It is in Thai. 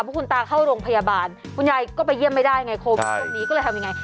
เพราะคุณตาเข้าโรงพยาบาลคุณยายก็ไปเยี่ยมไม่ได้ไงโควิดคนนี้ก็เลยทำยังไง